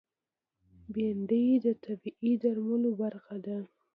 بېنډۍ د طبعي درملو برخه ده